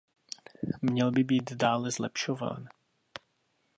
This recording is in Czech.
Měl by být dále zlepšován.